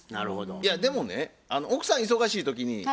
いやでもね奥さん忙しい時に旦那さん